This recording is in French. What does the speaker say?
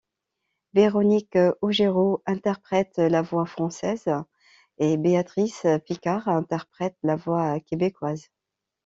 Véronique Augereau interprète la voix française et Béatrice Picard interprète la voix québécoise.